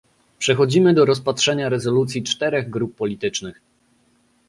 Przechodzimy do rozpatrzenia rezolucji czterech grup politycznych